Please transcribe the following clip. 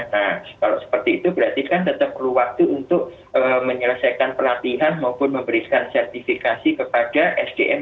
nah kalau seperti itu berarti kan tetap perlu waktu untuk menyelesaikan pelatihan maupun memberikan sertifikasi kepada sdm